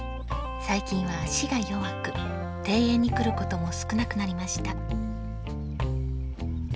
最近は足が弱く庭園に来ることも少なくなりました。